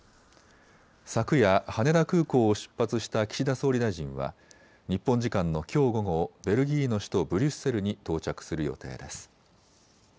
昨夜、羽田空港を出発した岸田総理大臣は日本時間のきょう午後、ベルギーの首都ブリュッセルに到着する予定です。